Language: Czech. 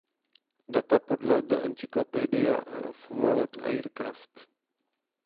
Data podle "The Encyclopedia of World Aircraft"